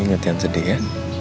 ingat yang sedih ya